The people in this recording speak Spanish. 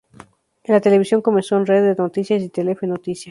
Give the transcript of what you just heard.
En la televisión comenzó en Red de Noticias y "Telefe Noticias".